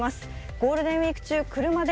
ゴールデンウイーク中、車で